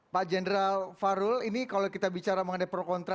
pak jenderal farul ini kalau kita bicara mengenai pro kontra